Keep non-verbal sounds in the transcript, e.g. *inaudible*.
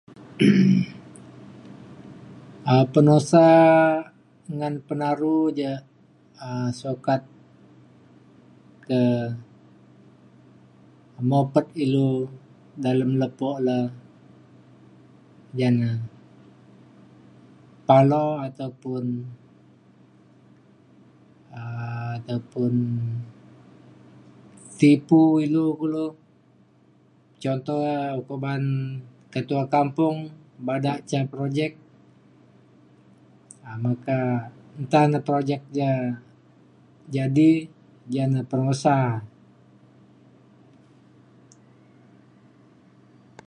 *noise* um penusa ngan penaru ja um sukat ke mopet ilu dalem lepo' le' jane palo ataupun um ataupun tipu ilu kulo contoh um ukuk ba'an ketua kampung bada ca' projek um meka nta na projek ja jadi ja na penusa